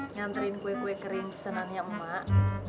nganterin kue kue kering senannya emak